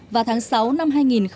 vào tháng sáu năm hai nghìn một mươi ba